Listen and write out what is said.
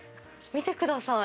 見てください。